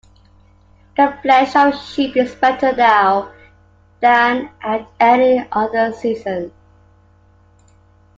The flesh of sheep is better now than at any other season.